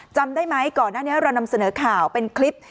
จำได้ไหมก่อนหน้านี้เรานำเสนอข่าวเป็นคลิป